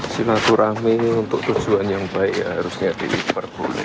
silaturahmi untuk tujuan yang baik ya harusnya diperboleh